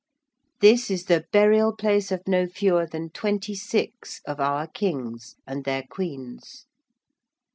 This is the burial place of no fewer than twenty six of our Kings and their Queens.